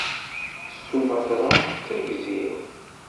Sumatra d tadzirt.